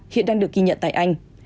hiện đang được ghi nhận tại anh